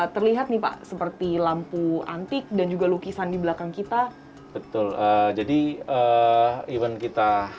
terlihat nih pak seperti lampu antik dan juga lukisan di belakang kita betul jadi even kita